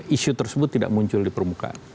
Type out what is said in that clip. isu tersebut tidak muncul di permukaan